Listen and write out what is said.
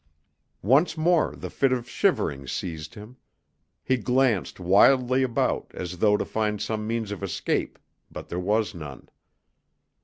Once more the fit of shivering seized him. He glanced wildly about, as though to find some means of escape, but there was none.